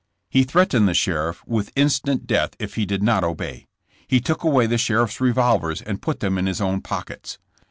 He threatened the sheriff with instant death if he did not obey. He took away the sheriff's revolvers and put them in his own pockets.